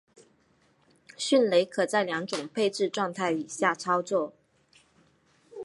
迅雷可在两种配置状态以下操作。